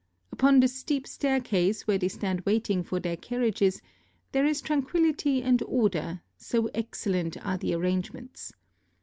Upon the steep staircase, where they stand waiting for their carriages, there is tranquillity and order, so excellent are the arrangements.